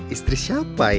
istri siapa ini